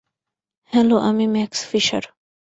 Hello, আমি Max fisher.